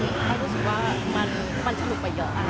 ก็รู้สึกว่ามันสนุกไปเยอะ